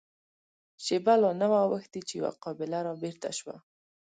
شېبه لا نه وه اوښتې چې يوه قابله را بېرته شوه.